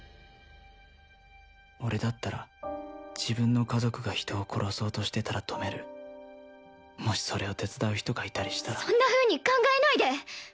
俺だったら自分の家族が人を殺そうとしてたら止めるもしそれを手伝う人がいたりしたらそんなふうに考えないで！